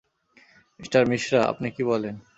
Mister Mishra, আপনি কী বলেন?